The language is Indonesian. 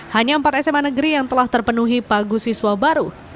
hanya empat sma negeri yang telah terpenuhi pagu siswa baru